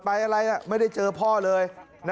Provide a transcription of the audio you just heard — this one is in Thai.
อะไรไม่ได้เจอพ่อเลย